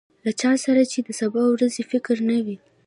له چا سره چې د سبا ورځې فکر نه وي.